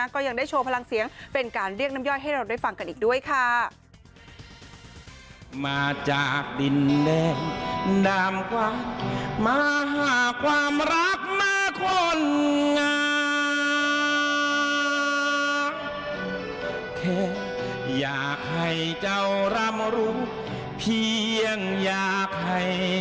ก็ยังได้โชว์พลังเสียงเป็นการเรียกน้ำย่อยให้เราได้ฟังกันอีกด้วยค่ะ